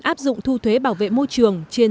áp dụng thu thuế bảo vệ môi trường trên